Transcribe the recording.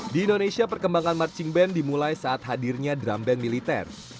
di indonesia perkembangan marching band dimulai saat hadirnya drum band militer